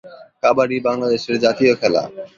কাবাডি বাংলাদেশের জাতীয় খেলা।